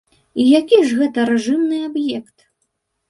І які ж гэта рэжымны аб'ект?